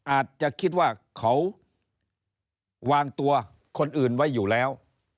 อาจจะคิดว่าเขาวางตัวคนอื่นไว้อยู่แล้ว